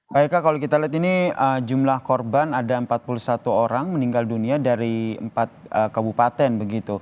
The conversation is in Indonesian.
pak eka kalau kita lihat ini jumlah korban ada empat puluh satu orang meninggal dunia dari empat kabupaten begitu